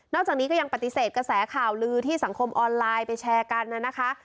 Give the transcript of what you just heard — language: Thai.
จากนี้ก็ยังปฏิเสธกระแสข่าวลือที่สังคมออนไลน์ไปแชร์กันนะคะ